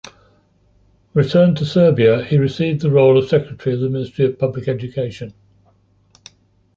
Returned to Serbia, he received the role of secretary of the Ministry of Public Education.